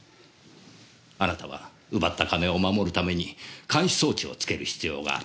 あなたは奪った金を守るために監視装置をつける必要があった。